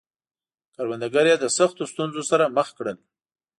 کروندګر یې له سختو ستونزو سره مخ کړل.